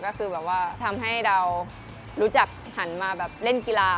ก็คือแบบว่าทำให้เรารู้จักหันมาแบบเล่นกีฬา